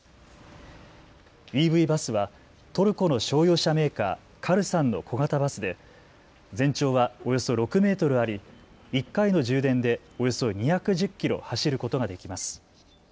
ＥＶバスはトルコの商用車メーカー、カルサンの小型バスで全長はおよそ６メートルあり１回の充電でおよそ２１０キロ走ることができます。